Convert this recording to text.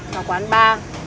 vào quán bar